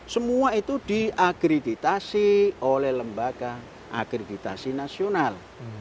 semua itu diagreditasi oleh lembaga agreditasi nasional